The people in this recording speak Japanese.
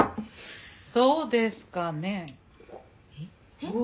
そうですかねえ。